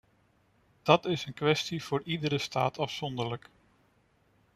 Dat is een kwestie voor iedere staat afzonderlijk.